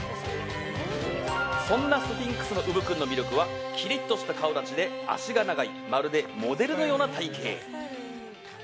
そんなスフィンクスのうぶ君の魅力はきりっとした顔立ちで脚が長いまるでモデルのような体形。